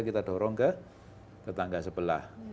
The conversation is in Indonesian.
kita dorong ke tetangga sebelah